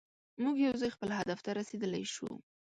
موږ یوځای خپل هدف ته رسیدلی شو.